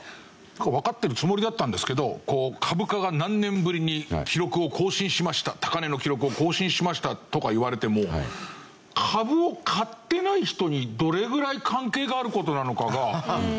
わかってるつもりだったんですけど株価が何年ぶりに記録を更新しました高値の記録を更新しましたとか言われても株を買ってない人にどれぐらい関係がある事なのかが。